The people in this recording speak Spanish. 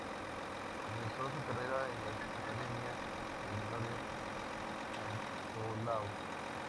Comenzó su carrera en la academia de menores Cantolao.